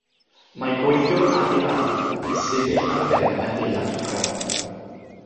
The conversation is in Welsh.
Mae gweithiwr adeiladu yn sefyll ar ben adeilad pren.